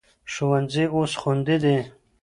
ښوونځي اوس خوندي دي.